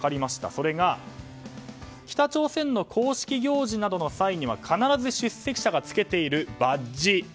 それが北朝鮮の公式行事などの際には必ず出席者がつけているバッジ。